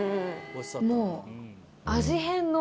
もう。